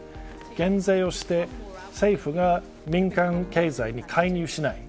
減税をして政府が民間経済に介入しない。